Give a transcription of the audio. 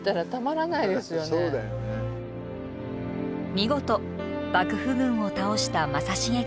見事幕府軍を倒した正成軍。